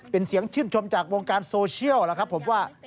เป็นเสียงชื่นชมจากวงการโซเชียลล่ะครับผมว่า